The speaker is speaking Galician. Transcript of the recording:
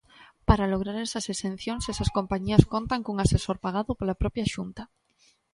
Para lograr esas exencións esas compañías contan cun asesor pagado pola propia Xunta.